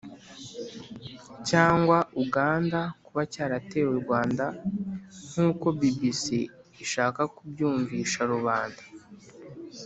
cya uganda kuba cyarateye u rwanda nkuko bbc ishaka kubyumvisha rubanda